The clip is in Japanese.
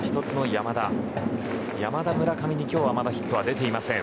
山田、村上に今日はまだヒットが出ていません。